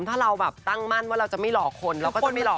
ถ้าเราแบบตั้งมั่นว่าเราจะไม่หลอกคนเราก็จะไม่หล